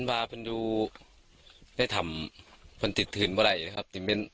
ฝันว่ามันอยู่ที่ถ้ำมาถึงถืนมาไหว